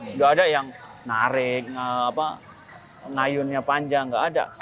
nggak ada yang narik ngayunnya panjang nggak ada